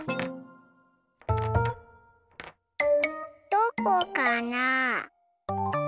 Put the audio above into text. どこかな？